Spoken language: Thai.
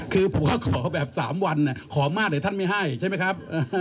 คือผมก็ขอแบบ๓วันขอมากเดี๋ยวท่านไม่ให้ใช่ไหมครับ